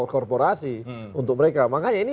korporasi untuk mereka makanya ini